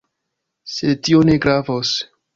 Sed tio ne gravos.